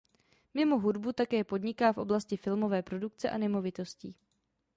Mimo hudbu také podniká v oblasti filmové produkce a nemovitostí.